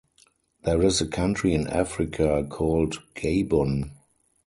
There is a country in Africa called Gabon.